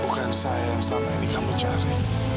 bukan saya yang selama ini kamu cari